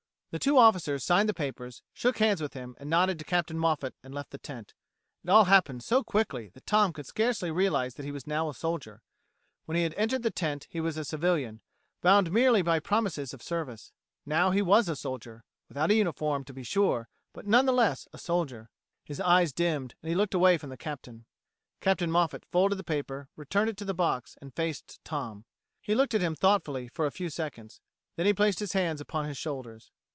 The two officers signed the papers, shook hands with him, nodded to Captain Moffat and left the tent. It all happened so quickly that Tom could scarcely realize that he was now a soldier. When he had entered the tent he was a civilian, bound merely by promises of service; now he was a soldier, without a uniform, to be sure, but none the less a soldier. His eyes dimmed and he looked away from the Captain. Captain Moffat folded the paper, returned it to the box, and faced Tom. He looked at him thoughtfully for a few seconds; then placed his hands upon his shoulders.